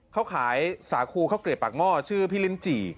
เขาขายสาครูเขาเกลียดปากหม้อชื่อพิรินจิ